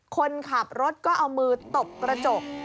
คนขับรถก็เอามือตบกระจก